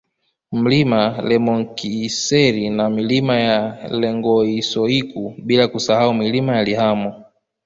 Mlima Lemonkiseri na Milima ya Lengoisoiku bila kusahau Mlima Lihamo